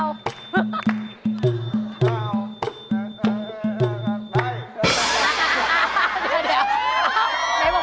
เดี๋ยว